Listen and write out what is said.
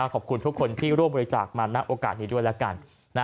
ขอบคุณทุกคนที่ร่วมบริจาคมาณโอกาสนี้ด้วยแล้วกัน